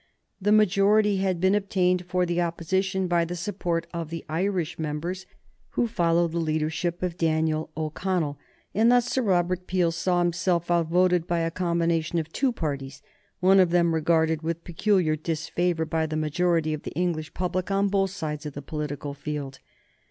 The majority had been obtained for the Opposition by the support of the Irish members who followed the leadership of Daniel O'Connell, and thus Sir Robert Peel saw himself outvoted by a combination of two parties, one of them regarded with peculiar disfavor by the majority of the English public on both sides of the political field.